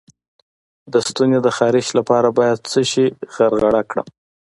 د ستوني د خارش لپاره باید څه شی غرغره کړم؟